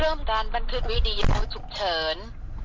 เริ่มดันบันทึกวิธีทุกสุขเฉิน